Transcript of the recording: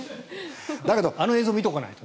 あの映像を見ておかないと。